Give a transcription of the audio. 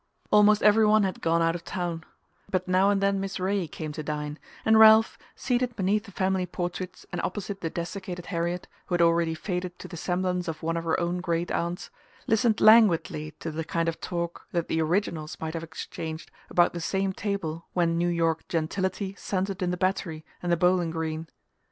Almost every one had gone out of town; but now and then Miss Ray came to dine, and Ralph, seated beneath the family portraits and opposite the desiccated Harriet, who had already faded to the semblance of one of her own great aunts, listened languidly to the kind of talk that the originals might have exchanged about the same table when New York gentility centred in the Battery and the Bowling Green.